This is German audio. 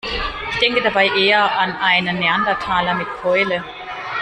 Ich denke dabei eher an einen Neandertaler mit Keule.